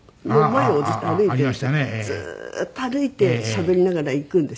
ずーっと歩いてしゃべりながら行くんですよね。